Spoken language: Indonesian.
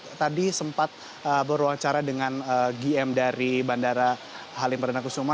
saya tadi sempat berwawancara dengan gm dari bandara halim perdana kusuma